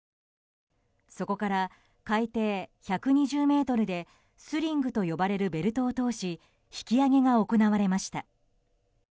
そこから海底１２０ｍでスリングと呼ばれるベルトを通し引き揚げが行われました。